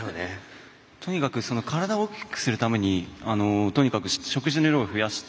とにかく体を大きくするために食事の量を増やして。